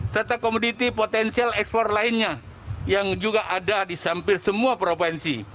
serta komoditi potensial ekspor lainnya yang juga ada di hampir semua provinsi